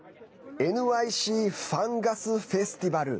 ＮＹＣファンガスフェスティバル。